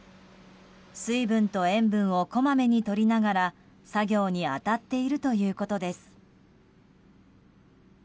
水分と塩分をこまめにとりながら作業に当たっているということです。